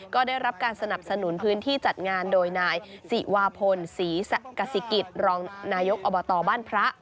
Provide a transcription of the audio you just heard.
ก็ได้รับการสนับสนุนพื้นที่จัดงานโดยนายศิวาพลศรีกสิกิจรองนายกอบตบ้านพระ